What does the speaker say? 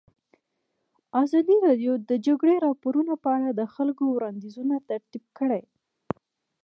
ازادي راډیو د د جګړې راپورونه په اړه د خلکو وړاندیزونه ترتیب کړي.